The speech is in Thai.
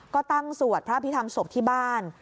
ก็ตั้งสวดพระพิธรรมศพที่บ้าน